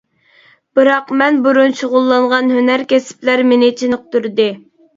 بىراق مەن بۇرۇن شۇغۇللانغان ھۈنەر كەسىپلەر مېنى چېنىقتۇردى.